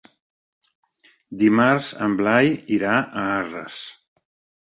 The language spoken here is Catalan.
Dimarts en Blai irà a Arres.